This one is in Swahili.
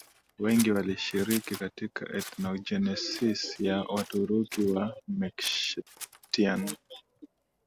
wengi walishiriki katika ethnogenesis ya Waturuki wa Meskhetian